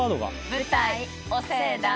舞台